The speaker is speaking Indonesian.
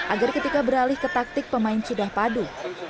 agar ketika beralih ke taktik pemain sudah padu